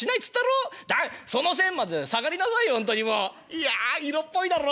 いや色っぽいだろ？